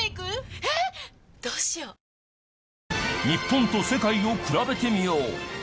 日本と世界を比べてみよう。